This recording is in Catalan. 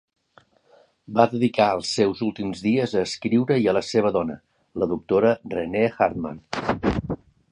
Va dedicar els seus últims dies a escriure i a la seva dona, la doctora Renee Hartmann.